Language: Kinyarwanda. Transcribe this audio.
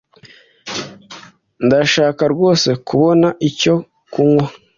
Ndashaka rwose kubona icyo kunywa.